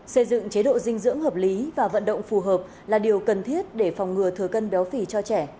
xây dựng chế độ dinh dưỡng hợp lý và vận động phù hợp là điều cần thiết để phòng ngừa thừa cân béo phì cho trẻ